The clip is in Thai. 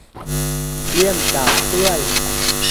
เลี่ยมกาบกล้วย